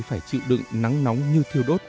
phải chịu đựng nắng nóng như thiêu đốt